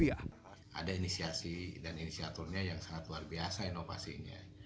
ada inisiasi dan inisiaturnya yang sangat luar biasa inovasinya